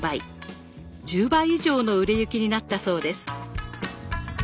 １０倍以上の売れ行きになったそうです。